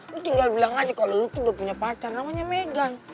lo tinggal bilang aja kalau lo udah punya pacar namanya megan